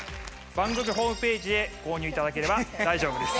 番組ホームページで購入いただければ大丈夫です。